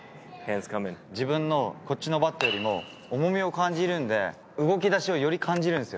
自分の、こっちのバットよりも重みを感じるんで、動きだしをより感じるんですよ。